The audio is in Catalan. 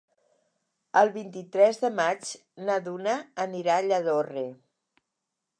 El vint-i-tres de maig na Duna anirà a Lladorre.